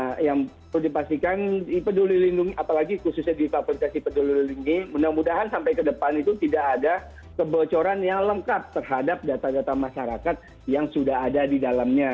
nah yang perlu dipastikan di peduli lindungi apalagi khususnya di aplikasi peduli lindungi mudah mudahan sampai ke depan itu tidak ada kebocoran yang lengkap terhadap data data masyarakat yang sudah ada di dalamnya